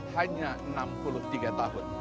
hanya enam puluh tiga tahun